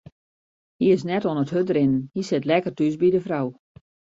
Hy is net oan it hurdrinnen, hy sit lekker thús by de frou.